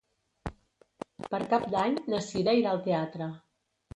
Per Cap d'Any na Cira irà al teatre.